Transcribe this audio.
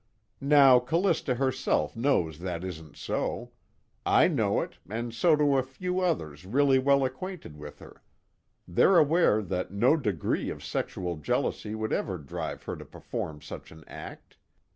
Now Callista herself knows that isn't so; I know it, and so do a few others really well acquainted with her: they're aware that no degree of sexual jealousy would ever drive her to perform such an act.